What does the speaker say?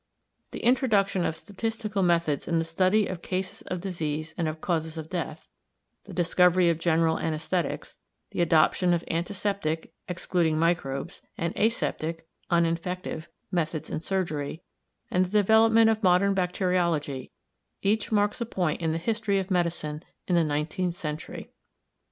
The introduction of statistical methods in the study of cases of disease and of causes of death; the discovery of general anæsthetics; the adoption of antiseptic [excluding microbes] and aseptic [uninfective] methods in surgery, and the development of modern bacteriology each marks a point in the history of medicine in the nineteenth century.